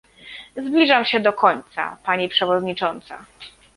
Zbliżam się do końca, pani przewodnicząca